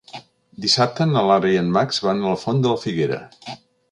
Dissabte na Lara i en Max van a la Font de la Figuera.